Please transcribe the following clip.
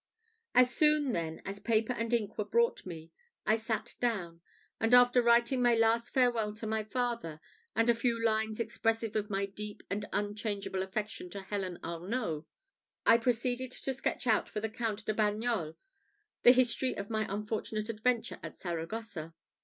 As soon, then, as paper and ink were brought me I sat down; and after writing my last farewell to my father, and a few lines expressive of my deep, my unchangeable affection to Helen Arnault, I proceeded to sketch out for the Count de Bagnols the history of my unfortunate adventure at Saragossa.